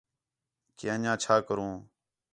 کہ اَن٘ڄیاں چَھا کروں